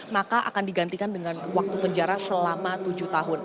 maka akan digantikan dengan waktu penjara selama tujuh tahun